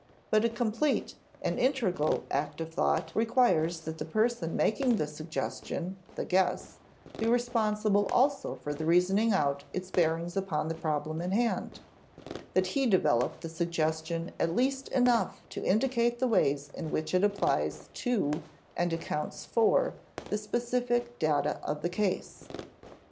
But a complete, an integral, act of thought requires that the person making the suggestion (the guess) be responsible also for reasoning out its bearings upon the problem in hand; that he develop the suggestion at least enough to indicate the ways in which it applies to and accounts for the specific data of the case.